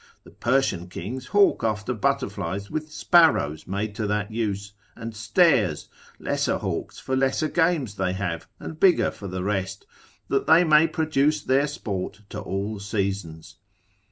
The Persian kings hawk after butterflies with sparrows made to that use, and stares: lesser hawks for lesser games they have, and bigger for the rest, that they may produce their sport to all seasons.